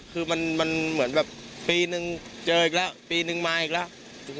คือมันเหมือนแบบปีนึงเจออีกแล้วปีนึงมาอีกแล้ว